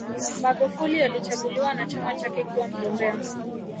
magufuli alichaguliwa na chama chake kuwa mgombea